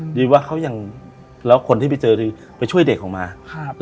ดีว่าเขายังแล้วคนที่ไปเจอคือไปช่วยเด็กออกมาครับ